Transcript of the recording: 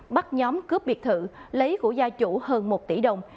bắt nhóm cướp biệt thự lấy của gia chủ hơn một tỷ đồng